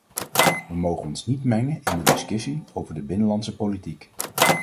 We mogen ons niet mengen in de discussie over de binnenlandse politiek.